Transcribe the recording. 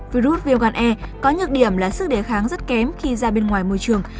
virus viêm gan e có nhược điểm là sức đề kháng rất kém khi ra bên ngoài môi trường